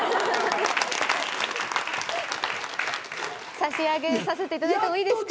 差し上げさせていただいてもいいですか。